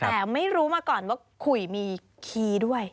แต่ไม่รู้มาก่อนว่าคุยมีคีย์ด้วย